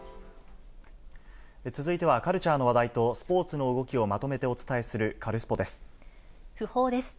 続いては、カルチャーの話題とスポーツの動きをまとめてお伝えするカルスポ訃報です。